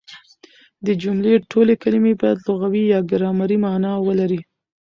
د جملې ټولي کلیمې باید لغوي يا ګرامري مانا ولري.